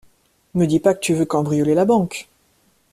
Me dis pas que tu veux cambrioler la banque.